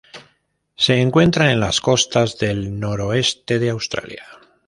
Se encuentra en las costas del noroeste de Australia.